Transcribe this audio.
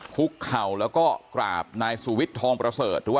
คุกเข่าแล้วก็กราบนายสุวิตทองด์ประเสริฐ